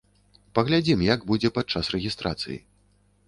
Паглядзім як будзе падчас рэгістрацыі.